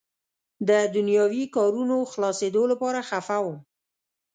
د دنیاوي کارونو خلاصېدو لپاره خفه وم.